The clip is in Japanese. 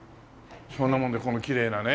そんなものでこのきれいなね。